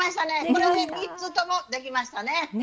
これで３つともできましたね。